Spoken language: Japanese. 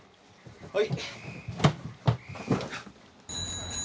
はい。